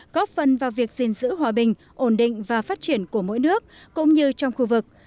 góp phần vào việc gìn giữ hòa bình ổn định và phát triển của mỗi nước cũng như trong khu vực